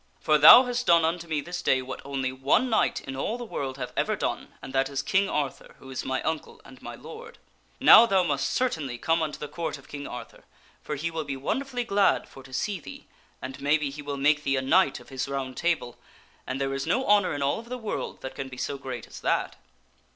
For thou hast done unto me this day what only one knight in all the world hath ever done, and that is King Arthur, who is my uncle and my lord. Now thou must certainly come unto the Court of King Arthur, for he will be wonderfully glad for to see thee, and maybe he will make thee a Knight of his Round Table and there is no honor in all of the world that can be so great as that."